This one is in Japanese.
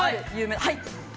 はい！